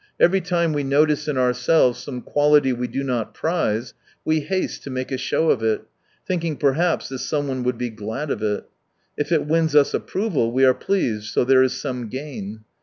Every time we notice in ourselves some quality we do not prize we haste to make a show of it, thinking perhaps that someone would be glad of it. If it wins us approval, we are pleased — so there is some gain.